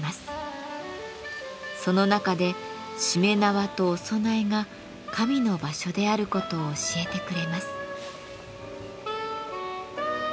その中でしめ縄とお供えが神の場所であることを教えてくれます。